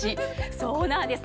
そうなんです！